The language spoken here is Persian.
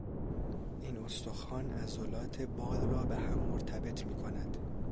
این استخوان عضلات بال را بههم مرتبط میکند.